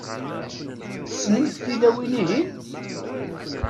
Tessnemt tilawin-ihin?